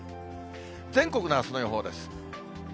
全国のあすの予報です。